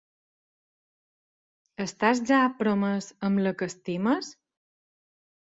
Estas ja promès amb la que estimes?